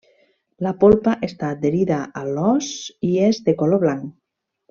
La polpa està adherida a l'os i és de color blanc.